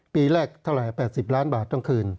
ปีแรกเท่าไหร่๘๐ล้านบาทต้องคืน